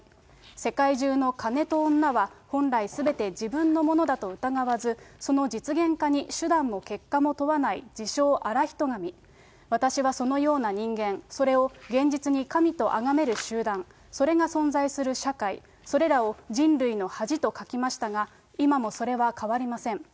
世界中の金と女は本来すべて自分のものだと疑わず、その実現化に手段も結果も問わない、自称現人神、私はそのような人間、それを現実に神とあがめる集団、それが存在する社会、それらを人類の恥と書きましたが、今もそれは変わりません。